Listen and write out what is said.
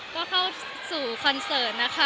ก็เข้าสู่คอนเสิร์ตนะคะ